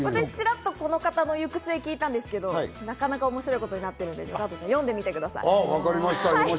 チラッとこの方の行く末聞いたんですけど、なかなか面白いことになってるので、加藤さん読んでみてください。